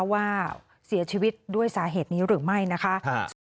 ว่าเสียชีวิตด้วยสาเหตุนี้หรือไม่นะคะ